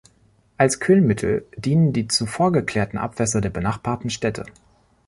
Als Kühlmittel dienen die zuvor geklärten Abwässer der benachbarten Städte.